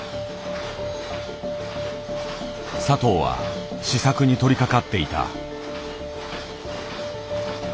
佐藤は試作に取りかかっていた。